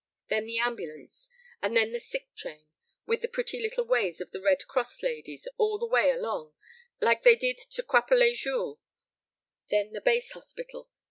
Then the ambulance, and then the sick train, with the pretty little ways of the Red Cross ladies all the way along, like they did to Crapelet Jules, then the base hospital.